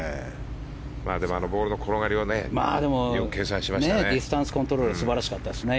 あのボールの転がりをよく計算しましたね。